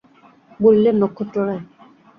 বলিলেন, নক্ষত্ররায়!